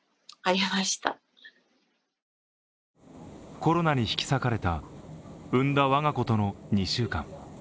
コロナに引き裂かれた産んだ我が子との２週間。